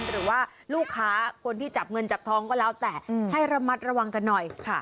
หรือว่าลูกค้าคนที่จับเงินจับทองก็แล้วแต่ให้ระมัดระวังกันหน่อยค่ะ